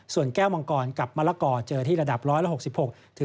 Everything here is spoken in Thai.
ส่วนแก้วมังกรกับมะละกอเจอที่ราดาป๑๖๖๑๗๑